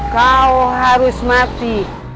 kau harus mati